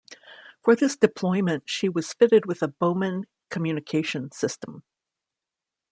For this deployment she was fitted with the Bowman communications system.